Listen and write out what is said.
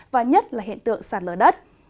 và nhất là hiện tượng sạt lở đất